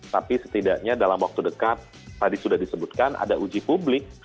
tapi setidaknya dalam waktu dekat tadi sudah disebutkan ada uji publik